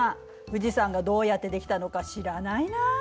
富士山がどうやって出来たのか知らないな？